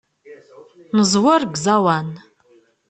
Neẓwer deg uẓawan.